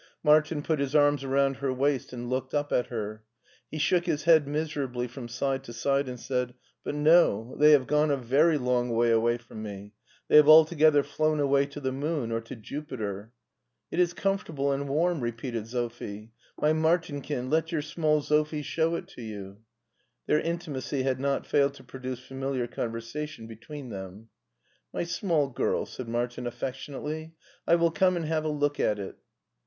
Martin put his arms around her waist and looked up at her. He shook his head miserably from side to side and said: " But, no, they have gone a very long way away from me. They have altogether flown away to the moon, or to Jupiter." "It is comfortable and warm/' repeated Sophie; " My Martinkin, let your small Sophie show it to you." Their intimacy had not failed to produce familiar conversation between them. "My small girl," said Martin affectionately, "I will come and have a look at it."